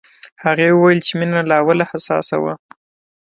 هغې وویل چې مينه له اوله حساسه وه